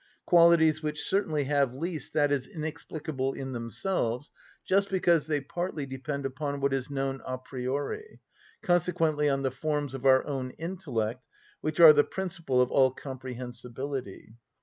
qualities which certainly have least that is inexplicable in themselves, just because they partly depend upon what is known a priori, consequently on the forms of our own intellect, which are the principle of all comprehensibility.